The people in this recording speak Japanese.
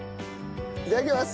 いただきます。